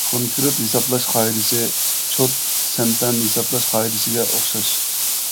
كونكرېت ھېسابلاش قائىدىسى چوت-سەنپەن ھېسابلاش قائىدىسىگە ئوخشاش.